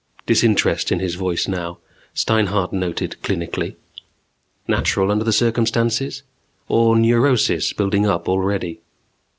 Disinterest in his voice now, Steinhart noted clinically. Natural under the circumstances? Or neurosis building up already?